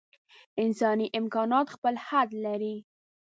انساني امکانات خپل حد لري.